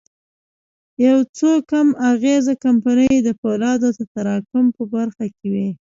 يو څو کم اغېزه کمپنۍ د پولادو د تراکم په برخه کې وې.